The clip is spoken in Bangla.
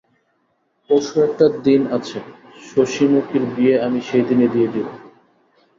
পরশু একটা দিন আছে–শশিমুখীর বিয়ে আমি সেইদিনই দিয়ে দেব।